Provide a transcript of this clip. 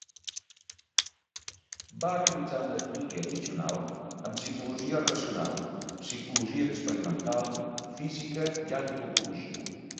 Va realitzar un estudi addicional en psicologia racional, psicologia experimental, física i antropologia.